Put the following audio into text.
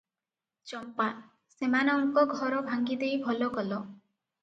ଚମ୍ପା: ସେମାନଙ୍କ ଘର ଭାଙ୍ଗିଦେଇ ଭଲ କଲ ।